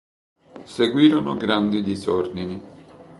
Seguirono grandi disordini.